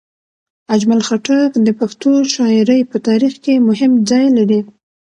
اجمل خټک د پښتو شاعرۍ په تاریخ کې مهم ځای لري.